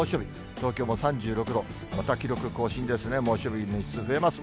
東京も３６度、また記録更新ですね、猛暑日の日数１つ増えます。